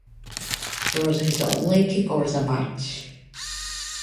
It was his only kick of the match.